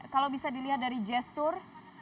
kalau bisa dilihat dari gestur